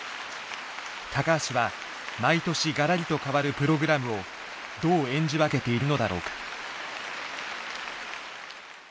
橋は毎年ガラリと変わるプログラムをどう演じ分けているのだろうか。